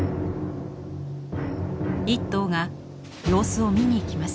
１頭が様子を見に行きます。